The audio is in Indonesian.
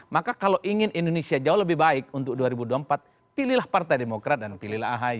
maka kalau ingin indonesia jauh lebih baik untuk dua ribu dua puluh empat pilihlah partai demokrat dan pilihlah ahy